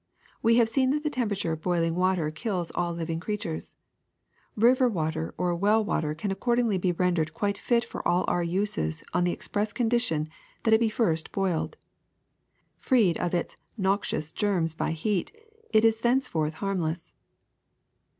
We have seen that the temperature of boil ing water kills all living creatures. Eiver water or well water can accordingly be rendered quite fit for all our uses on the express condition that it be first boiled. Freed of its noxious germs by heat, it is thenceforth harmless.